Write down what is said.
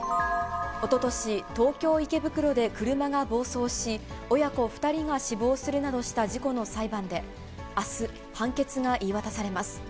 おととし、東京・池袋で車が暴走し、親子２人が死亡するなどした事故の裁判で、あす、判決が言い渡されます。